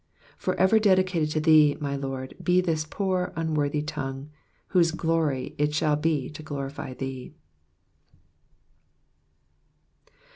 For ever dedicated to thee, my Lord, he this poor, unworthy tongue, whose glory it shall be to glorify thee.